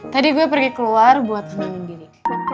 tadi gue pergi keluar buat angin diri